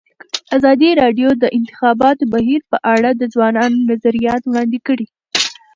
ازادي راډیو د د انتخاباتو بهیر په اړه د ځوانانو نظریات وړاندې کړي.